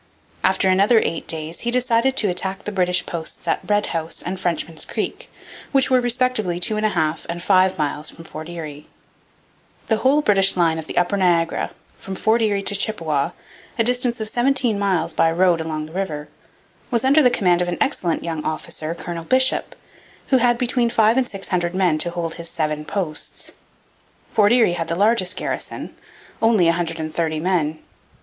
After another eight days he decided to attack the British posts at Red House and Frenchman's Creek, which were respectively two and a half and five miles from Fort Erie. The whole British line of the upper Niagara, from Fort Erie to Chippawa, a distance of seventeen miles by the road along the river, was under the command of an excellent young officer, Colonel Bisshopp, who had between five and six hundred men to hold his seven posts. Fort Erie had the largest garrison only a hundred and thirty men.